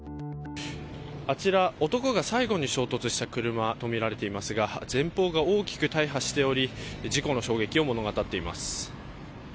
あちら、男が最後に衝突した車とみられていますが前方が大きく大破しており事故の衝撃を物語っています。